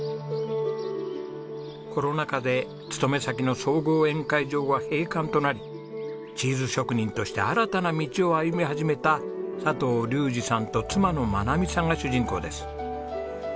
コロナ禍で勤め先の総合宴会場は閉館となりチーズ職人として新たな道を歩み始めた佐藤竜士さんと妻の真奈美さんが主人公です。